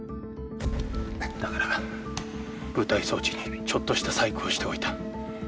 だから舞台装置にちょっとした細工をしておいた。